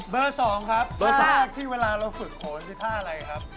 เบอร์๒ครับท่าได้บอกเวลาเราฝึกโขนท่าอะไรครับ